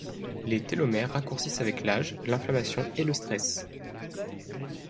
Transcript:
Les télomères raccourcissent avec l’âge, l’inflammation et le stress.